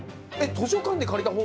図書館で借りた本？